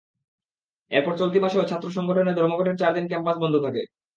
এরপর চলতি মাসেও ছাত্র সংগঠনের ধর্মঘটে চার দিন ক্যাম্পাস বন্ধ থাকে।